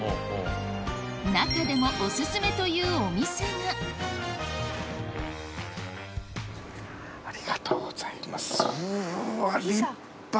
中でもお薦めというお店がありがとうございますうわ立派！